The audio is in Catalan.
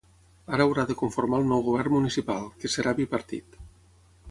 Ara haurà de conformar el nou govern municipal, que serà bipartit.